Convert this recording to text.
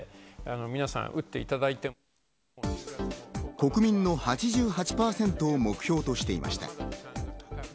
国民の８８％を目標としていました。